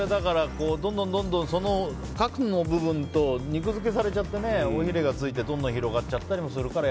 どんどん核の部分と肉付けされちゃって尾ひれがついてどんどん広がっちゃったりするから